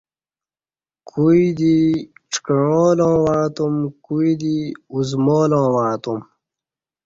کودی ڄکعاں لاں وعݩہ تم کودی اُزمالاں وعݩہ تُم